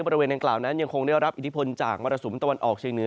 บริเวณดังกล่าวนั้นยังคงได้รับอิทธิพลจากมรสุมตะวันออกเชียงเหนือ